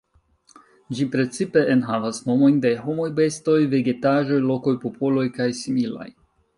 Ĝi precipe enhavas nomojn de homoj, bestoj, vegetaĵoj, lokoj, popoloj kaj similaj.